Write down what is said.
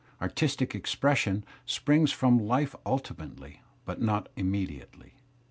Artistic expression springs from life ultimately but not immediately.